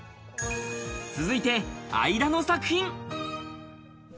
続いて相田の作品。